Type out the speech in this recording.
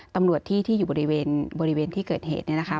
ตำรวจที่อยู่บริเวณที่เกิดเหตุเนี่ยนะคะ